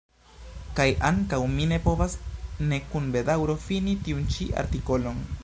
Kaj ankaŭ mi ne povas ne kun bedaŭro fini tiun ĉi artikolon.